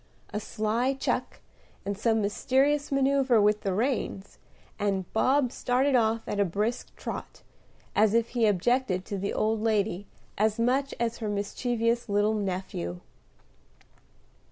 A sly chuck, and some mysterious manoeuvre with the reins, and Bob started off at a brisk trot, as if he objected to the old lady as much as her mischievous little nephew.